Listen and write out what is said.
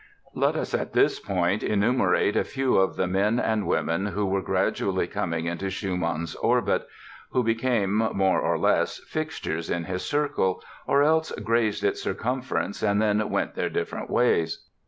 Let us at this point enumerate a few of the men and women who were gradually coming into Schumann's orbit, who became, more or less, fixtures in his circle, or else grazed its circumference and went their different ways.